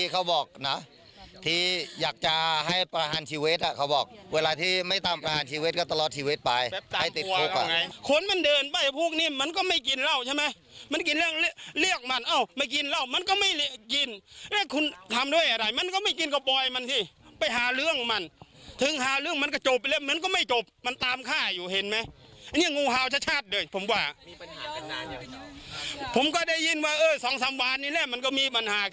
การชีวิตก็ตลอดชีวิตไปให้ติดควบค่ะ